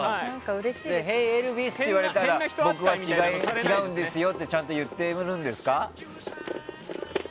ヘイ、エルヴィス！って言われたら僕は違うんですよってちゃんと言うんですか？